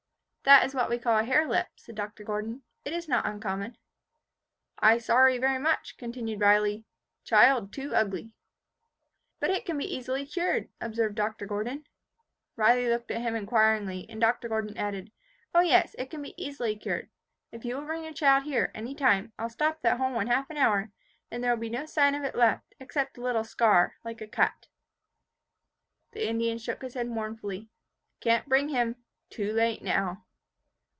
"That is what we call a hare lip," said Dr. Gordon, "it is not uncommon." "I sorry very much," continued Riley. "Child too ugly." "But it can be easily cured," observed Dr. Gordon. Riley looked at him inquiringly, and Dr. Gordon added, "O, yes, it can be easily cured. If you will bring your child here, any time, I will stop that hole in half an hour; and there will be no sign of it left, except a little scar, like a cut." The Indian shook his head mournfully, "Can't bring him. Too late now."